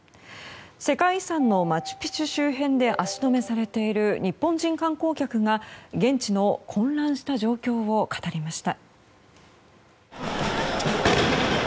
世界遺産のマチュピチュ周辺で足止めされている日本人観光客が現地の混乱した状況を語りました。